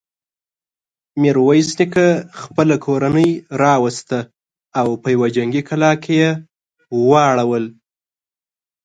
ميرويس نيکه خپله کورنۍ راوسته او په يوه جنګي کلا کې يې واړول.